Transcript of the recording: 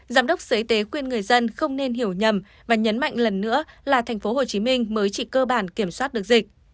giám đốc sở y tế khuyên người dân không nên hiểu nhầm và nhấn mạnh lần nữa là tp hcm mới chỉ cơ bản kiểm soát được dịch